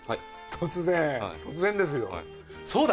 突然、突然ですよ、そうだ！